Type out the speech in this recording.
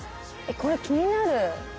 これ気になる。